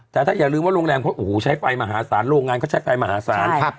แต่ถ้าอย่าลืมว่าโรงแรมเขาโอ้โหใช้ไฟมหาศาลโรงงานเขาใช้ไฟมหาศาล